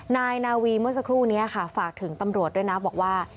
นายนาวีเมื่อสักครู่นี้ค่ะฝากถึงตำรวจด้วยนะบอกว่า